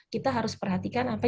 kita harus perhatikan apa